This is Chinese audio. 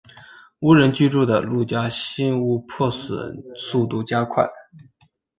无人居住的陆家新屋破损速度加快。